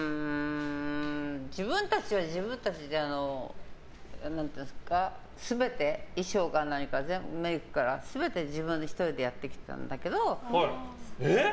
自分たちは自分たちで全て衣装からメイクから全て自分１人でやってきたんだけど。